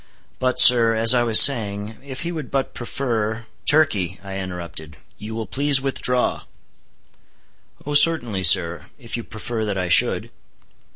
But, sir, as I was saying, if he would but prefer—" "Turkey," interrupted I, "you will please withdraw." "Oh certainly, sir, if you prefer that I should."